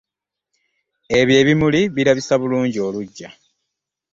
Ebyo ebimuli birabisa bulungi olugya.